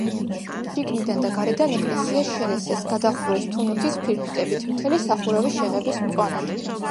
შიგნიდან და გარედან ეკლესია შელესეს, გადახურეს თუნუქის ფირფიტებით, მთელი სახურავი შეღებეს მწვანედ.